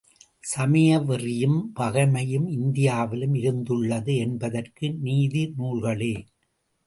சமயவெறியும், பகைமையும் இந்தியாவிலும் இருந்துள்ளது என்பதற்கு நீதி நூல்களே.